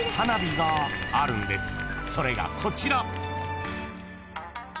［それがこちら］